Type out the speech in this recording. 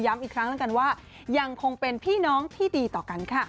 อีกครั้งแล้วกันว่ายังคงเป็นพี่น้องที่ดีต่อกันค่ะ